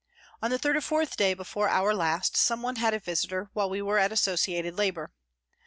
On the third or fourth day before our last, someone had a visitor while we were at asso ciated labour.